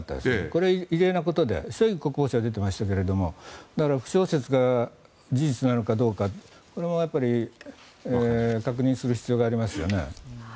これは異例なことでショイグ国防相は出てましたけど負傷説が事実なのかどうかこれもやっぱり確認する必要がありますよね。